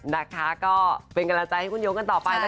นะคะก็เป็นกำลังใจให้คุณโยงกันต่อไปนะคะ